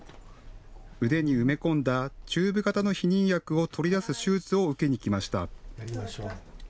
腕に埋め込んだチューブ型の避妊薬を取り出す手術を受けに来ました。